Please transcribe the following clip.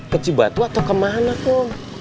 keci batu atau kemana kum